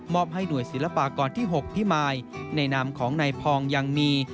ให้หน่วยศิลปากรที่๖พิมายในนามของนายพองยังมี